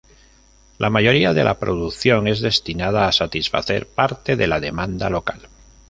La mayoría de la producción es destinada a satisfacer parte de la demanda local.